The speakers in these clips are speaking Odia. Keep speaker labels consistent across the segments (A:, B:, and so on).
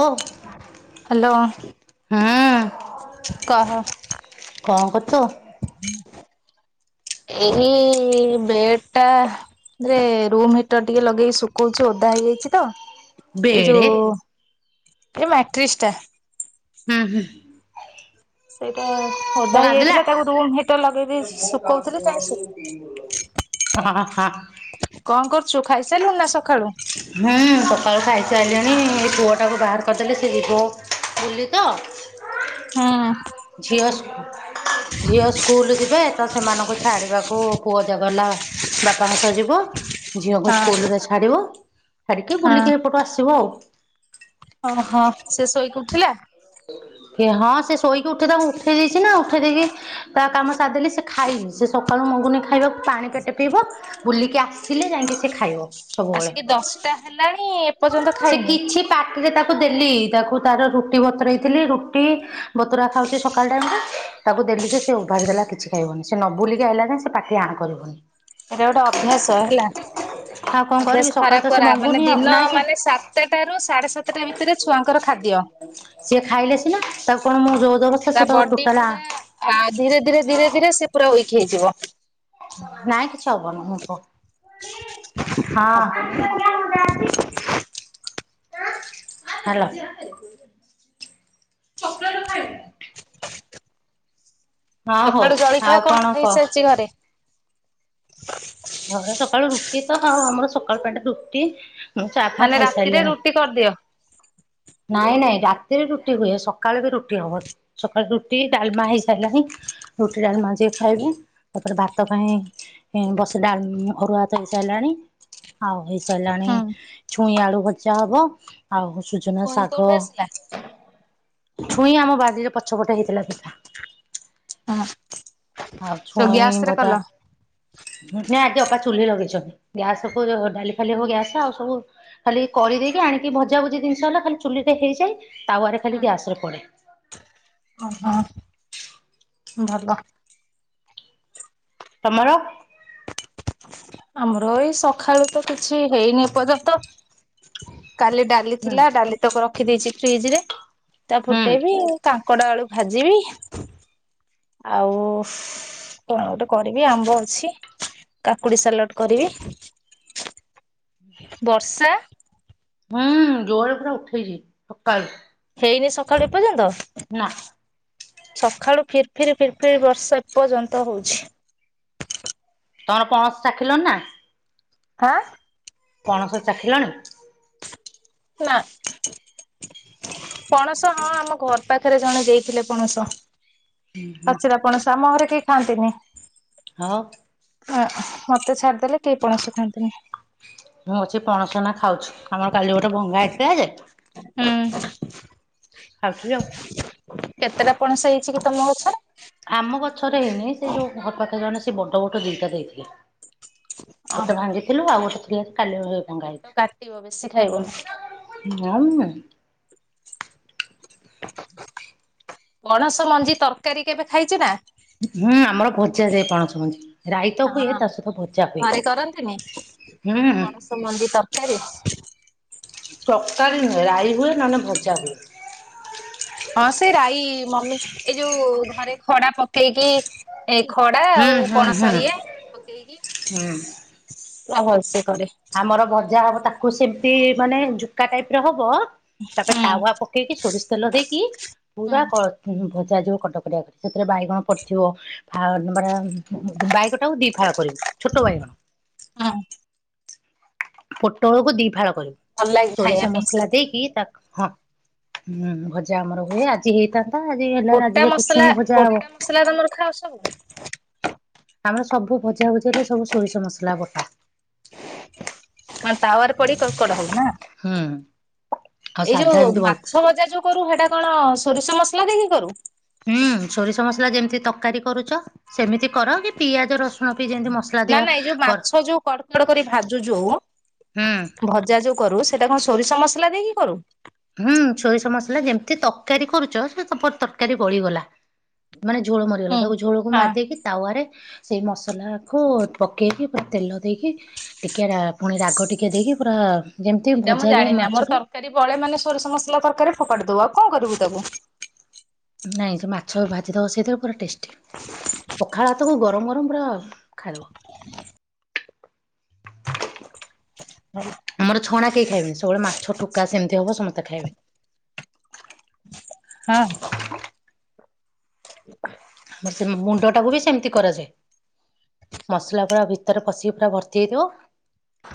A: ଓ
B: ହ୍ୟାଲୋ
A: ହୁଁ।
B: କହ
A: କଣ କରୁଚୁ?
B: ଏଇ ବେଡ୍ ଟା ରେ ରୁମ୍ ହିଟର ଟିକେ ଲଗେଇକି ଶୁଖଉଛି ଓଦା ହେଇଯାଇଛି ତ। ଏଇ
A: ବେଡେ
B: ଯୋଉ ଏ ମାଟ୍ରିଶ ଟା।
A: ହୁଁ ହୁଁ।
B: ସେଇଟା
A: ପୁଅ
B: ଓଦା
A: କାନ୍ଦିଲା?
B: ହେଇଯାଇଥିଲା। ତାକୁ ରୁମ୍ ହିଟର ଲଗେଦେଇଚି ଶୁଖଉଥିଲି କାଇଁ ଶୁ
A: ହଁ ହଁ
B: କଣ କରୁଚୁ ଖାଇସାଇଲୁ ନା ସକାଳୁ?
A: ହୁଁ ସକାଳୁ ଖାଇସାଇଲିଣି ଏ ପୁଅଟାକୁ ବାହାର କରିଦେଲେ ସେ ଯିବ ବୁଲି ତ।
B: ହଁ
A: ଝିଅ ସ ଝିଅ ସ୍କୁଲ ଯିବେ ତ ସେମାନଙ୍କୁ ଛାଡିବାକୁ ପୁଅ ଜ ଗଲା। ବାପାଙ୍କ ସହ ଯିବ। ଝିଅଙ୍କୁ ସ୍କୁଲ ରେ ଛାଡିବ। ଛାଡିକି
B: ହଁ
A: ବୁଲିକି ଏପଟୁ ଆସିବ ଆଉ।
B: ଓହୋ ସେ ଶୋଇକି ଉଠିଲା?
A: କିଏ ହଁ ସେ ଶୋଇକି ଉଠେ ତାକୁ ଉଠେଇ ଦେଇଛି ନା ଉଠେଇ ଦେଇକି ତା କାମ ସାରିଦେଲି ସେ ଖାଇନି ସେ ସକାଳୁ ମଙ୍ଗୁନି ଖାଇବାକୁ ପାଣି ପେଟ ପିଇବ ବୁଲିକି ଆସିଲେ ଯାଇକି ସେ ଖାଇବ। ସବୁବେଳେ
B: ଆସିକି ଦଶଟା ହେଲାଣି ଏପର୍ଯ୍ୟନ୍ତ ଖାଇନି?
A: ଟିକେ ତାକୁ ଦେଲି ତାକୁ ତାର ରୁଟି ବତୁରେଇଥିଲି ରୁଟି ବତୁରା ଖାଉଛି ସକାଳ ଟାଇମ୍ ଟା। ତାକୁ ଦେଲି ଯେ ସେ ଉଭାରି ଦେଲା କିଛି ଖାଇବନି। ସେ ନ ବୁଲିକି ଆଇଲା ଯାଏ ସେ ପାଟିି ଆଁ କରିବନି।
B: ଏଟା ଗୋଟେ ଅଭ୍ୟାସ ହେଲା।
A: ଆଉ କଣ
B: ଅଭ୍ୟାସ
A: କରିବି ସକାଳୁ
B: ଖରାପ
A: ତ ସେ
B: କରା ମାନେ
A: ମଙ୍ଗୁନି ଆଉ।
B: ଦିନ
A: ନାହିଁ ସେ
B: ମାନେ ସାତଟା ରୁ ସାଢେ ସାତଟା ଭିତରେ ଛୁଆଙ୍କର ଖାଦ୍ୟ
A: ସିଏ ଖାଇଲେ ସିନା ତାକୁ କଣ ମୋ ଯୋର୍ ଜବରଦସ୍ତ୍ ସେ ତ ଟୋଟାଲ ଆଁ
B: ଆ ଧୀରେ ଧୀରେ ଧୀରେ ଧୀରେ ସେ ପୁରା ୱିକ୍ ହେଇଯିବ।
A: ନାଇଁ କିଛି ହବନି ମୁଁ [unintelligible] ହଁ।
B: ହବନି।
A: ହାଲୋ। ଚକୋଲେଟ ଖାଇବୁ? ହଁ ହଉ
B: ସକାଳୁ ଜଳିଖିଆ
A: ଆଉ
B: କଣ
A: କହ?
B: ହେଇସାରିଚି ଘରେ?
A: ହଁ ପରା ସକାଳୁ ରୁଟି ତ ଆଉ ଆମର ସକାଳୁ ଟାଇମି ରୁଟି। ମୁଁ ଚା ଫା
B: ମାନେ ରାତିରେ
A: ଖାଇସାରିଲିଣି।
B: ରୁଟି କରିଦିଅ?
A: ନାଇଁ ନାଇଁ ରାତିରେ ରୁଟି ହୁଏ। ସକାଳୁ ବି ରୁଟି ହବ। ସକାଳୁ ରୁଟି, ଡାଲମା ହେଇସାଇଲାଣି। ରୁଟି ଡାଲମା ଯିଏ ଖାଇବୁ ତାପରେ ଭାତ ପାଇଁ ବସ୍ ଡାଲ୍ ଅରୁଆ ଭାତ ହେଇସାଇଲାଣି ଆଉ ହେଇସାଇଲାଣି।
B: ହୁଁ
A: ଛୁଇଁ ଆଳୁ ଭଜା ହବ ଆଉ ସୁଜୁନା
B: ପୁଣି
A: ଶାଗ
B: କୋଉଠୁ ଆସିଲା?
A: ଛୁଇଁ ଆମ ବାଡିରେ ପଛପଟ ହେଇଥିଲା ଦିଟା।
B: ହଁ
A: ଆଉ
B: ତ
A: ଛୁଇଁ
B: ଗ୍ୟାସ ରେ
A: ଭଜା
B: କଲ?
A: ନାଇଁ ଆଜି ଅପା ଚୁ୍ଲି ଲଗେଇଚନ୍ତି, ଗ୍ୟାସକୁ ଡାଲି ଫାଲି ହବ ଗ୍ୟାସ ଆଉ ସବୁ ଖାଲି କରିଦେଇକି ଆଣିକି ଭଜା ଭୁଜି ଦିନିଷ ହେଲା ଚୁଲିରେ ହେଇଯାଏ, ତାୱାରେ ଖାଲି ଗ୍ୟାସ୍ ରେ ପଡ଼େ।
B: ଅ ହଁ ଭଲ।
A: ତମର?
B: ଆମର ଏଇ ସଖାଳୁ ତ କିଛି ହେଇନି ଏପର୍ଯ୍ୟନ୍ତ କାଲି ଡା ଡାଲି ଥିଲା ଡାଲି ତକ ରଖିଦେଇଚି ଫ୍ରିଜ୍ ରେ ତାକୁ
A: ହୁଁ
B: ଫୁଟେଇବି କାଙ୍କଡ ଆଳୁ ଭାଜିବି। ଆଉ କଣ ଗୋଟେ କରିବି ଆମ୍ବ ଅଛି କାକୁଡି ସାଲଟ୍ କରିବି। ବର୍ଷା?
A: ହୁଁ ଜୋରେ ପୁରା ଉଠେଇଚି ସକାଳୁ।
B: ହେଇନି ସକାଳୁ ଏପର୍ଯ୍ୟନ୍ତ?
A: ନା।
B: ସଖାଳୁ ଫିର୍ ଫିରି ଫିର୍ ଫିରି ବର୍ଷା ଏପର୍ଯ୍ୟନ୍ତ ହଉଚି।
A: ତମର ପଣସ ଚାଖିଲଣି ନା?
B: ହାଁ?
A: ପଣସ ଚାଖିଲଣି?
B: ନାଁ। ପଣସ ହଁ ଆମ ଘର ପାଖରେ ଜଣେ ଦେଇଥିଲେ ପଣସ।
A: ହୁଁ ହୁଁ
B: ପାଚିଲା ପଣସ ଆମ ଘରେ କେହି ଖାଆନ୍ତିନି।
A: ହାଉ?
B: ଆଁ ମତେ ଛାଡିଦେଲେ କେହି ପଣସ ଖାଆନ୍ତିନି।
A: ମୁଁ ଅଛି ପଣସ ଏନା ଖାଉଛି ଆମର କାଲି ଗୋଟେ ଭଙ୍ଗା ହେଇଥିଲା ଯେ
B: ହୁଁ।
A: ଖାଉଚି ଆଉ।
B: କେତେଟା ପଣସ ହେଇଚି କି ତମ ଗଛରେ?
A: ଆମ ଗଛରେ ହେଇନି ସେ ଯୋଉ ଘର ପାଖେ ଜଣେ ସେ ବଡ ବଡ ଦିଟା ଦେଇଥିଲେ।
B: ଅହ।
A: ଗୋଟେ ଭାଙ୍ଗିଥିଲୁ ଆଉ ଗୋଟେ ଥିଲା କାଲି ଏଇ ଭଙ୍ଗା
B: ପେଟ କାଟିବ ବେଶୀ ଖାଇବନି
A: ହେଇଚି। [unintelligible]
B: ପଣସ ମଞ୍ଜି ତର୍କାରୀ କେବେ ଖାଇଚ ନା?
A: ହୁଁ ଆମର ଭଜା ଯାଏ ପଣଷ ମନ୍ଜି ରାଇତ ହୁଏ
B: ହଁ
A: ତା ସହିତ ଭଜା ହୁଏ।
B: ଘରେ କରନ୍ତିନି
A: ହୁଁ
B: ପଣସ ମନ୍ଜି ତର୍କାରୀ।
A: ତର୍କାରୀ ନୁହେଁ ରାଇ ହୁଏ ନନେ ଭଜା ହୁଏ।
B: ହଁ ସେ ରାଇ ମମି ଏଇ ଯୋଉ ଘରେ ଖଡା ପକେଇକି ଏଇ ଖଡା
A: ହୁଁ
B: ଆଉ
A: ହୁଁ ହୁଁ
B: ପଣସ ଇଏ ପକେଇକି
A: ହୁଁ।
B: ଆ ଭଲ ସେ କରେ।
A: ଆମର ଭଜା ହବ ତାକୁ ସେମ୍ତି ମାନେ ଝୁକା ଟାଇପ ର ହବ। ତାପରେ
B: ହୁଁ
A: ତାୱା ପକେଇକି ସୋରିଷ୍ ତେଲ ଦେଇକି
B: ହୁଁ
A: ପୁରା କ ଭଜା ଯିବ କଟକଟିଆ କରି ସେଥିରେ ବାଇଗଣ ପଡିଥିବ। ଆଉ ନମ୍ବର ବାଇଗଟାକୁ ଦି ଫାଳ କରିବୁ ଛୋଟ ବାଇଗଣ।
B: ହଁ।
A: ପୋଟଳକୁ ଦି ଫାଳ
B: ଭଲ
A: କରିବୁ
B: ଲାଗେ ଖାଇବା
A: ସୋରିଷ
B: ପାଇଁ ସେ
A: ମସ୍ଲା
B: ସବୁ।
A: ଦେଇକି ତାକୁ ହଁ ହୁଁ ଭଜା ଆମର ହୁଏ ଆଜି ହେଇଥାନ୍ତା ଆଜି ହେଲାଣି ଆଜି ଯେହେତୁ ଛୁଇଁ ଭଜା ହବ।
B: ମସ୍ଲାଦମର ଖାଅ ସବୁ?
A: ଆମର ସବୁ ଭଜା ଭୁଜି ହେଲେ ସବୁ ସୋରିଷ ମସଲା ବଟା
B: ଆ ତାୱା ରେ ପଡିି କଡ କଡ଼ା ହବ ନା
A: ହୁଁ ଆଉ
B: ଏଇ
A: ସାଧା
B: ଯୋଉ
A: ଏମିତି ଭଲ
B: ମାଛ ଭଜା ଯୋଉ କରୁ ହେଟା କଣ ସୋରିଷ ମସଲା ଦେଇକି କରୁ?
A: ହୁଁ ସୋରିଷ ମସଲା ଯେମିତି ତରକାରୀ କରୁଛ ସେମିତି କର କି ପିଆଜ ରସୁଣ ପି ଯେମତି ମସଲା
B: ନା
A: ଦିଆ
B: ନାଇଁ ଯୋଉ
A: କର
B: ମାଛ ଯୋଉ କଡ କଡ କରି ଭାଜୁ ଯୋଉ
A: ହୁଁ
B: ଭଜା ଯୋଉ କରୁ ସେଇଟା କଣ ସୋରିଷ ମସଲା ଦେଇକି କରୁ।
A: ହୁଁ ସୋରିଷ ମସଲା ଯେମିତି ତରକାରୀ କରୁଛ ସେ ତରକାରୀ ପଳିଗଲା ମାନେ ଝୋଳ ମରିଗଲା
B: ହୁଁ।
A: ତାକୁ ଝୋଳକୁ
B: ହଁ।
A: ମାର ଦେଇକିରି ତାୱାରେ ସେଇ ମସଲାକୁ ପକେଇକି ପୁରା ତେଲ ଦେଇକି ଟିକେ ରା ପୁଣି ରାଗ ଟିକେ ଦେଇକି ପୁରା ଯେମିତି ଭଜା ଯାଏ ମାଛ ଟା
B: ତାର ବଳେ ମାନେ ସୋରିଷ ମସଲା ତରକାରରେ ଫପାଡି ଦବୁ ଆଉ କଣ କରିବୁ ତାକୁ
A: ନାଇଁ ସେ ମାଛ ଭାଜିଦବା ସେଇଥିରେ ପୁରା ଟେଷ୍ଟି ପଖାଳ ହାତକୁ ଗରମ ଗରମ ପୁରା ଖାଲ
B: [inaudible] [unintelligible]
A: ଆମର ଛଣା କେହି ଖାଇବେନି, ସବୁବେଳେ ମାଛ ଠୁକା ସେମିତି ହବ ସମସ୍ତେ ଖାଇବେ।
B: ହଁ
A: ଆମର ସେ ମୁଣ୍ଡ ଟାକୁ ବି ସେମିତି କରାଯାଏ। ମସଲା ପୁରା ଭିତରେ ପଶିକି ପୁରା ଭର୍ତ୍ତି ହୋଇଥିବ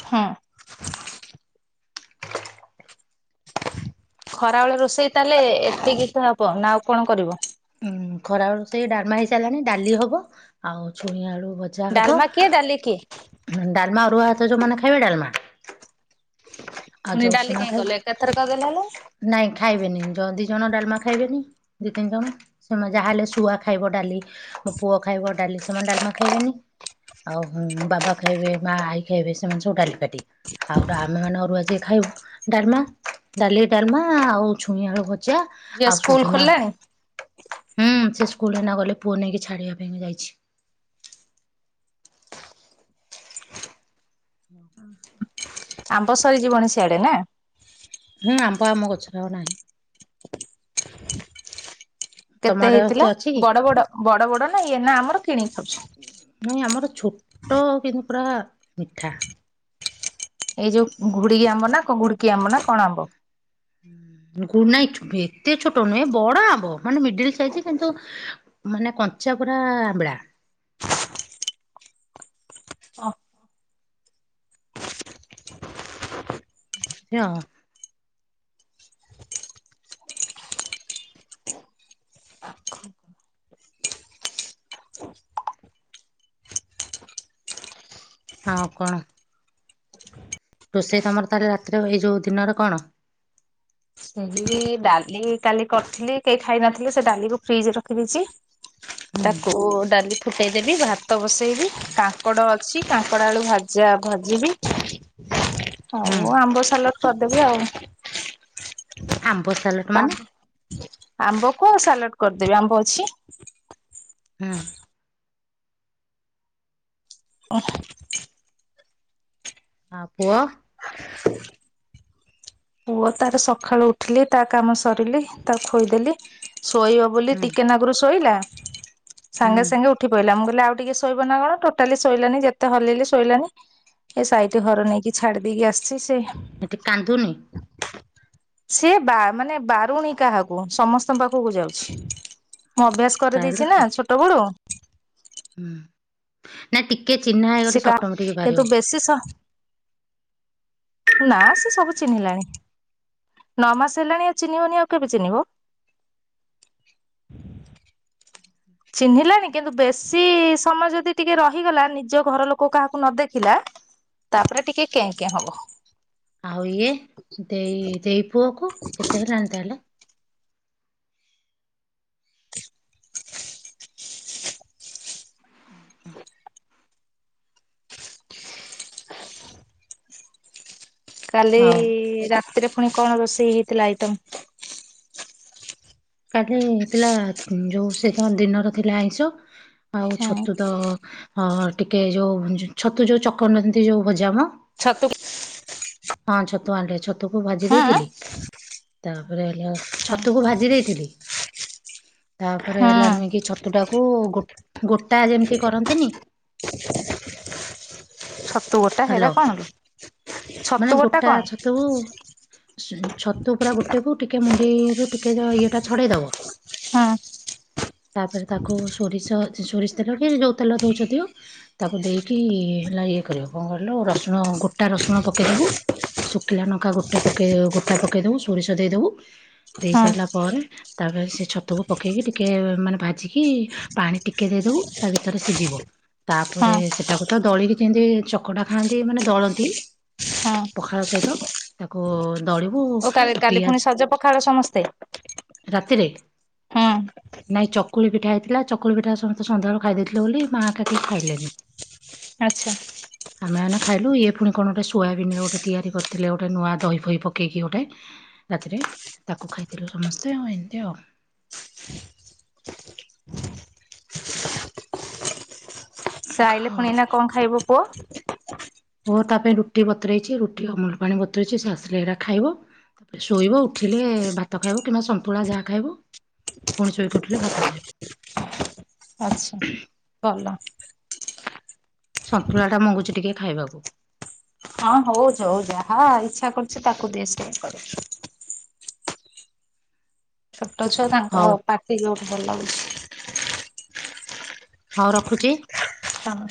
B: ହଁ। ଖରାବେେଳେ ରୋଷେଇ ତାହେଲେ ଏତିକି [unintelligible] ହେବ ନା ଆଉ କଣ କରିବ।
A: ଉଁ ଖରା ବଳୁ ସେଇ ଡାରମା ହେଇ ସାରିଲାଣି ଡାଲି ହବ ଆଉ ଛୁଇଁ ଆଳୁ ବ ଯା ହବ
B: ଡାଲମା କିଏ ଡାଲି କିଏ?
A: ଡାଲମା ଅରୁଆ ହାତ ଯୋଉ ମାନେ ଖାଇବେ ଡାଲମା। ଆଉ
B: ପୁଣି
A: ଯୋଉ
B: ଡାଲି
A: ଉଷୁନା
B: କାହିଁ
A: ଖାଇବେ
B: କଲ ଏକାଥର କଦଲେ ହେ
A: ନାଇଁ ଖାଇବେନି ଦି ଜଣ ଡାଲମା ଖାଇବେନି ଦି ତିନି ଜଣ ସେମାନେ ଯାହାହଲେ ଶୁଆ ଖାଇବ ଡାଲି ମୋ ପୁଅ ଖାଇବ ଡାଲି ସେମାନେ ଡାଲମା ଖାଇବେନି ଆଉ ହଁ ବାବା ଖାଇବେ ମା ଆଈ ଖାଇବେ ସେମାନେ ସବୁ ଡାଲିପାଟି ଆଉ ଆମେ ମାନେ ଅରୁଆ ଯିଏ ଖାଇବ ଡାଲମା ଡାଲି ଡାଲମା ଆଉ ଛୁଇଁ ଆଳୁ ଭ ଜା
B: ଝିଅ
A: ଆଉ
B: ସ୍କୁଲ
A: ସୁୁଝୁ ନା
B: ଖୋଲିଲାଣି
A: ହୁଁ ସେ ସ୍କୁଲରେ ନ ଗଲେ ପୁଅ ନେଇକି ଛାଡିବା ପାଇଁ ବି ଯାଇଛି। [inaudible]
B: ଆମ୍ବ ସରିଯିବଣୀ ସିଆଡେ ନା
A: ହୁଁ ଆମ୍ବ ଆମ ଗଛରେ ଆଉ ନାହିଁ। ତମ
B: କେତେ
A: ଆଡେ ଗଛ
B: ହେଇଥିଲା
A: ଅଛି କି?
B: ବଡ ବଡ ବଡ ବଡ ନା ଇଏ ନା ଆମର କିଣି ଖାଉଛି।
A: ନାଇଁ ଆମର ଛୋଟ କିନ୍ତୁ ପୁରା ମିଠା।
B: ଏଇ ଯୋଉ ଘୁଡିକି ଆମ୍ବ ନା କଁ ଘୁଡିକି ଆମ୍ବ ନା କଣ ଆମ୍ବ?
A: ହୁଁ, ଗୁ ନାଇଟି ଏତେ ଛୋଟ ନୁହେଁ ବଡ ଆମ୍ବ ମାନେ ମିଡିଳି ସାଇଜି କିନ୍ତୁ ମାନେ କଞ୍ଚା ପୁରା ଆମ୍ବିଳା।
B: ଓ
A: [unintelligible] ହଁ କଣ? ରୋଷେଇ ତୋମର ତାହେଲେ ରାତିରେ ଏଇ ଯୋଉ ଦିନରେ କଣ?
B: [unintelligible] ଡାଲି କାଲି କରିଥିଲି କେଇ ଖାଇ ନଥିଲେ ସେ ଡାଲିକୁ ଫ୍ରିଜ୍ ରେ ରଖିଦେଇଛି।
A: ହୁଁ
B: ତାକୁ ଡାଲି ଥୁ ଫୁଟେଇ ଦେବି, ଭାତ ବସେଇବି, କାଙ୍କଡ଼ ଅଛି କାଙ୍କଡ଼ା ଆଳୁ ଭାଜା ଭାଜିବି।
A: ହୁଁ।
B: ଆଉ ଆମ୍ବ ସାଲଟ କରିଦେବି ଆଉ।
A: ଆମ୍ବ ସାଲଟ ମାନେ?
B: ଆମ୍ବ କୁ ସାଲାଟ କରିଦେବି ଆମ୍ବ ଅଛି।
A: ହୁଁ।
B: ଓଃ!
A: ଆଉ ପୁଅ?
B: ହ ପୁଅ ତାର ସଖାଳୁ ଉଠିଲି ତା କାମ ସରିଲି ତାକୁ ଖୋଇଦେଲି। ଶୋଇବ ବୋଲି
A: ହୁଁ
B: ଟିକେନାଗରୁ ଶୋଇଲା
A: ହୁଁ
B: ସାଙ୍ଗେ ସାଙ୍ଗେ ଉ ଠି ପଇଲା ମୁଁ କହିଲି ଆଉ ଟିକେ ଶୋଇବ ନା କଣ ଟୋଟାଲି ଶୋଇଲାନି ଯେତେ ହଲେଇଲି ଶୋଇଲାନି। ଏ ସାଇଟି ଘର ନେଇକି ଛାଡି ଦେଇକି ଆସିଛି। ସେ
A: ସେଠି କାନ୍ଧୁନି?
B: ସିଏ ବା- ମାନେ ବାରୁଣୀ କାହାକୁ ସମସ୍ତଙ୍କ ପାଖକୁ ଯାଉଛି। ମୁଁ ଅଭ୍ୟାସ
A: ତାହେଲେ
B: କରିଦେଇଛି ନା
A: ଠିକ
B: ଛୋଟ ବେଳୁ।
A: ହୁଁ, ନା ଟିକେ ଚିହ୍ନା ହେଇଗଲେ ସେ ଅଟୋମେଟିକ୍ ବାରିବ।
B: ଏ ସିଏ ସ-ନା ସିଏ ସବୁ ଚିହ୍ନିଲାଣି। ନଅ ମାସ ହେଲାଣି ଆ, ଚିହ୍ନିବନି ଆଉ କେବେ ଚିହ୍ନିବ? ଚିହ୍ନିଲାଣି କିନ୍ତୁ ବେଶୀ ସମୟ ଯଦି ଟିକେ ରହିଗଲା ନିଜ ଘର ଲୋକ କାହାକୁ ନ ଦେଖିଲା। ତାପରେ ଟିକେ କେଁ କେଁ ହବ।
A: ଆଉ ଇଏ ଦେଇ ଦେଇ ପୁଅକୁ କେତେ ହେଲାଣି ତାହେଲେ?
B: [inaudible] କାଲି
A: ହଉ
B: ରାତିରେ ପୁଣି କଣ ରୋଷେଇ ହେଇଥିଲା ଆଇଟମ?
A: କାଲି ହେଇଥିଲା ଯୋଉ ସେଇଥି ହଁ ଦିନର ଥିଲା ଆଇଁଷ। ଆଉ
B: ହୁଁ
A: ଛତୁ ତ ହଁ ଟିକେ ଯୋଉ ଛ'ଛତୁ ଯୋଉ ଚକଟନ୍ତି ଯୋଉ ଭଜା ମୋ।
B: ଛତୁ କି
A: ହଁ ଛତୁ ଆଣିଲେ ଛତୁ କୁ ଭାଜି
B: ହଁ
A: ଦେଇଥିଲି। ତାପରେ ହେଲା,
B: ହଁ
A: ଛତୁକୁ ଭାଜି ଦେଇଥିଲି। ତାପରେ ହେଲା ନୁହେଁ କି ଛ ତୁ ଟାକୁ ଗୋ-ଗୋଟା ଯେମିତି କରନ୍ତିନି?
B: ଛତୁ ଗୋଟା
A: ହାଲୋ
B: ସେଟା କଣ ଲୋ? ଛତୁ ଗୋଟା କଣ?
A: ତୁ ଉଁ, ଛତୁ ପୁରା ଗୋଟେକୁ ଟିକେ ମୁଣ୍ଡିରୁ ଟିକେ ଯେ ଇଏଟା ଛଡ଼େଇ ଦବ।
B: ହଁ
A: ତାପରେ ତାକୁ ସୋରିଷ ସେ ସୋରିଷ ତେଲ କି ଯୋଉ ତେଲ ଦଉଛ ଦିଅ। ତାକୁ ଦେଇକି ହେଲା ଇଏ କରିବ କଣ କହିଲୁ ରସୁଣ ଗୋଟା ରସୁଣ ପକେଇଦବୁ। ଶୁଖିଲା ନଙ୍କା ଗୋଟେ ପକେଇ ଗୋଟା ପକେଇଦବୁ ସୋରିଷ ଦେଇଦବୁ। ଦେଇ
B: ହଁ
A: ସାରିଲା ପରେ ତାପରେ ସେ ଛତକୁ ପକେଇକି ଟିକେ ମାନେ ଭାଜିକି ପାଣି ଟିକେ ଦେଇଦବୁ ତା ଭିତରେ ସିଝିବ। ତାପରେ
B: ହଁ
A: ସେଟା କ ତ ଦଳିକି କେମତି ଚକଟା ଖାଆନ୍ତି ମାନେ ଦଳନ୍ତି।
B: ହଁ
A: ପଖାଳ ସହିତ ତାକୁ ଦଳିବୁ
B: ଓ କାଲି କାଲି ପୁଣି
A: ପିଆଜ
B: ପଖାଳ ସମସ୍ତେ?
A: ରାତିରେ।
B: ହଁ।
A: ନାଇଁ ଚକୁଳି ପିଠା ହେଇଥିଲା ଚକୁଳି ପିଠା ସମସ୍ତେ ସନ୍ଧ୍ୟାବେଳେ ଖାଇ ଦେଇଥିଲେ ବୋଲି ମାଆ କା କେହି ଖାଇଲେନି।
B: [inaudible] ଆଚ୍ଛା।
A: ଆମେମାନେ ଖାଇଲୁ ଇଏ ପୁଣି କଣ ଗୋଟେ ସୋୟାବିନରେ ଗୋଟେ ତିଆରି କରିଥିଲେ ଗୋଟେ ନୂଆ ଦହି ଫହି ପକେଇକି ଗୋଟେ? ରାତିରେ ତାକୁ ଖାଇଥିଲୁ ସମସ୍ତେ ଆଉ ଏମିତି ଆଉ।
B: ସେ ଆଇଲେ ପୁଣି ଏନା କଣ ଖାଇବ ପୁଅ?
A: ପୁଅ ତା ପାଇଁ ରୁଟି ବତରଇଛି ରୁଟି ଅମୁଳ ପାଣି ବତରଇଛି ସେ ଆସିଲେ ଏଇଟା ଖାଇବ। ଶୋଇବ ଉଠିଲେ ଭାତ ଖାଇବ କିମ୍ବା ସନ୍ତୁଳା ଯାହା ଖାଇବ। ପୁଣି ଶୋଇ ଉଠିଲ ଭାତ ଖାଇବ।
B: [inaudible] ଆଛା ଭଲ।
A: ସନ୍ତୁଳାଟା ମଗୁଛି ଟିକେ ଖାଇବାକୁ।
B: ହଁ ହଉଛ ହଉ ଯାହା ଇଚ୍ଛା କରୁଛି ତାକୁ ଦେଇ ସେ କରିକି। ଛୋଟ ଛୁଆ ତାଙ୍କ
A: ହଉ
B: ପାଟି ଯଉଠି ଭଲ ଲାଗୁଛି।
A: ହଁ ରଖୁଛି।
B: ହଁ।